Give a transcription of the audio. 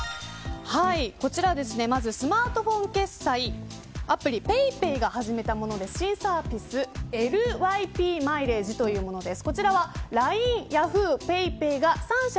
こちらまずスマートフォン決済アプリＰａｙＰａｙが始めたもの新サービスＬＹＰマイレージというものです。